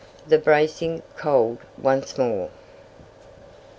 THE BRACING COLD ONCE MORE.